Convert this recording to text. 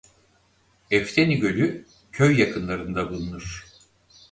Efteni Gölü köy yakınlarında bulunur.